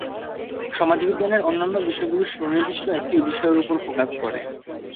সমাজবিজ্ঞানের অন্যান্য বিষয়গুলো সুনির্দিষ্ট একটি বিষয়ের উপর ফোকাস করে।